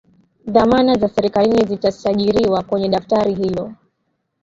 dhamana za serikali zitasajiriwa kwenye daftari hilo